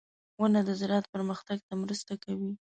• ونه د زراعت پرمختګ ته مرسته کوي.